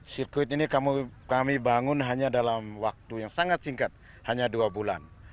sirkuit ini kami bangun hanya dalam waktu yang sangat singkat hanya dua bulan